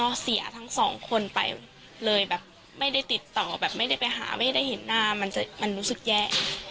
ก็เสียทั้งสองคนไปเลยแบบไม่ได้ติดต่อแบบไม่ได้ไปหาไม่ได้เห็นหน้ามันรู้สึกแย่